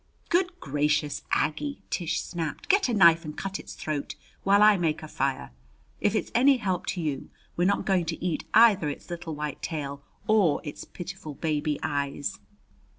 "Good gracious, Aggie," Tish snapped, "get a knife and cut its throat while I make a fire. If it's any help to you, we're not going to eat either its little white tail or its pitiful baby eyes."